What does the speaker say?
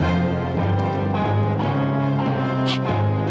yang sepupu banget